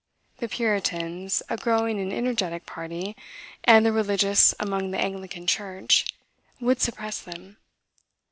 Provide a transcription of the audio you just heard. The Puritans, a growing and energetic party, and the religious among the Anglican church, would suppress them.